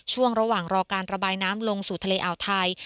ช่วงระหว่างรอการระบายน้ำลงสู่ทะเลอ่าวไทย